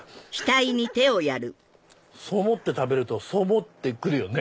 そう思って食べるとそう思って来るよね。